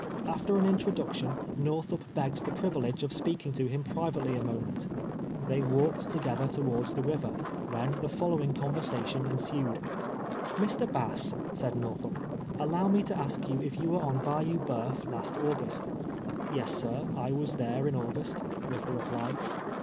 After an in troduction, Northup begged the privilege of speaking to him privately a moment. They walked together towards the river, when the following conversation ensued :" j\Ir. Bass," said ISTorthup, " allow me to ask you if you were on Bayou Boeuf last August ?"" Yes, sir, I was there in August," was the reply.